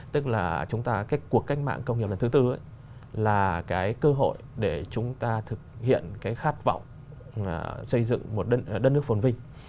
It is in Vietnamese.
tức là cuộc cách mạng công nghiệp lần thứ tư là cái cơ hội để chúng ta thực hiện cái khát vọng xây dựng một đất nước phồn vinh